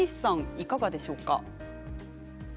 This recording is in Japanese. いかがでしょうか。